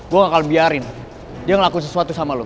gue gak akan biarin dia ngelakuin sesuatu sama lo